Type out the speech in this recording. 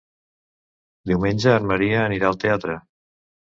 Diumenge en Maria anirà al teatre.